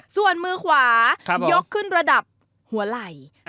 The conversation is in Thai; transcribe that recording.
ส่วนมือขวายกขึ้นระดับหัวไหล่